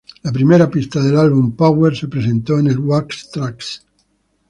La primera pista del álbum, "Power", se presentó en el "Wax Trax!